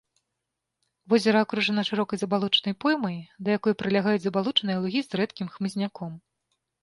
Возера акружана шырокай забалочанай поймай, да якой прылягаюць забалочаныя лугі з рэдкім хмызняком.